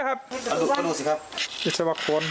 วิตาว่าต้อง